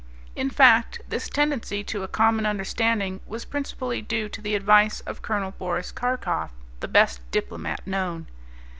In fact, this tendency to a common understanding was principally due to the advice of Col. Boris Karkof, the best diplomat known.